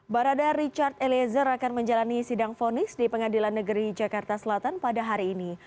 barada richard eliezer akan menjalani sidang fonis di pengadilan negeri jakarta selatan pada hari ini